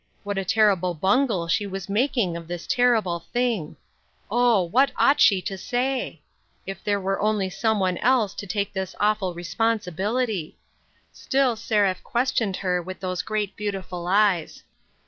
What a terrible bungle she was making of this terrible thing ! Oh ! what ought she to say ? If there were only some one else to take this awful responsibility. Still Seraph questioned her with those great beautiful eyes.